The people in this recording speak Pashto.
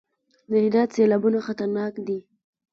د هرات سیلابونه خطرناک دي